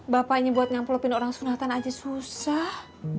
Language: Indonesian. bapaknya buat ngamplopin orang sunatan aja susah